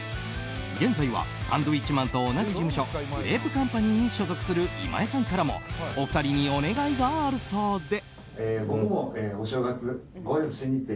現在はサンドウィッチマンと同じ事務所グレープカンパニーに所属する今江さんからもお二人にお願いがあるそうで。